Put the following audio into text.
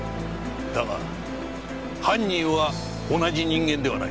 だが犯人は同じ人間ではない。